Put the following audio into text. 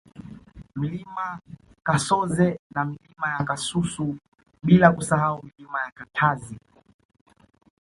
Mlima Kasoze na Milima ya Kasusu bila kusahau Milima ya Katazi